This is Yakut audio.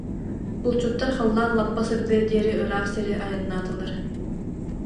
Булчуттар халлаан лаппа сырдыар диэри ыраах сири айаннаатылар